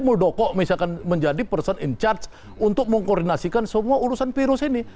muldoko misalkan menjadi person in charge untuk mengkoordinasikan semua urusan virus ini